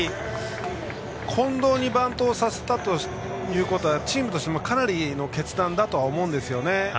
近藤にバントをさせたということはチームとしてもかなりの決断だとは思うんですね。